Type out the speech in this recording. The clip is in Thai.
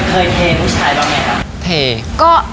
เคยเผยผู้ชายว่าไงอะ